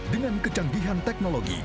dengan kecanggihan teknologi